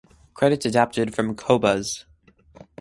Credits adapted from Qobuz.